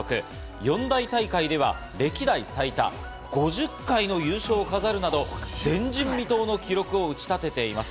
四大大会では歴代最多５０回の優勝を飾るなど前人未到の記録を打ち立てています。